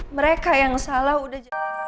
mereka yang salah udah